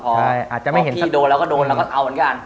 พี่โดนเราก็โดนเราก็เอาเหมือนกัน